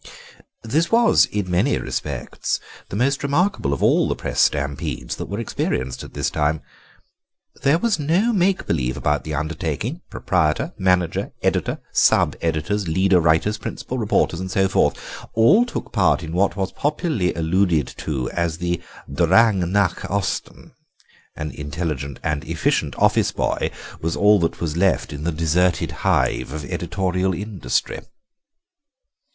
This was, in many respects, the most remarkable of all the Press stampedes that were experienced at this time. There was no make believe about the undertaking; proprietor, manager, editor, sub editors, leader writers, principal reporters, and so forth, all took part in what was popularly alluded to as the Drang nach Osten; an intelligent and efficient office boy was all that was left in the deserted hive of editorial industry."